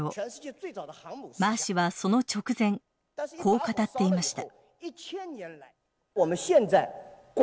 マー氏はその直前こう語っていました。